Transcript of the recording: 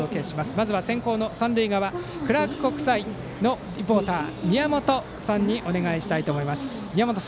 まずは先攻の三塁側クラーク記念国際のリポーターみやもとさんにお願いします。